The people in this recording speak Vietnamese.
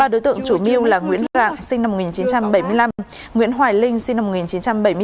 ba đối tượng chủ mưu là nguyễn rạng sinh năm một nghìn chín trăm bảy mươi năm nguyễn hoài linh sinh năm một nghìn chín trăm bảy mươi bốn